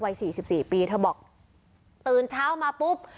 วัยสี่สิบสี่ปีเธอบอกตื่นเช้ามาปุ๊บ